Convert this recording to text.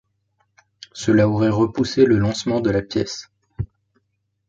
Cela aurait repoussé le lancement de la pièce.